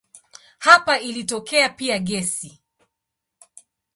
Hapa ilitokea pia gesi.